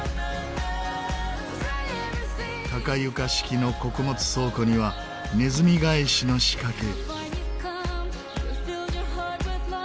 高床式の穀物倉庫にはネズミ返しの仕掛け。